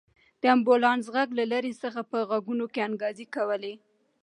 د امبولانس غږ له لرې څخه په غوږونو کې انګازې کولې.